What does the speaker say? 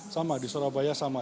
sama di surabaya sama